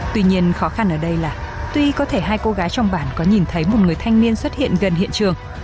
tuy nhiên khó khăn ở đây là tuy có thể hai cô gái trong bản có nhìn thấy một người thanh niên xuất hiện gần hiện trường